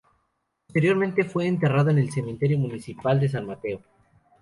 Posteriormente fue enterrado en el cementerio municipal de San Mateo.